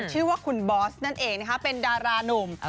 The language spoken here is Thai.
ชื่อว่าคุณบอสนั่นเองนะคะเป็นดารานุ่ม